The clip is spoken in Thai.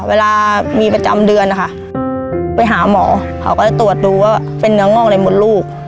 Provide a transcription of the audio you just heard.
เวลามีประจำเดือนนะคะไปหาหมอเขาก็จะตรวจดูว่าเป็นเนื้องอกอะไรหมดลูก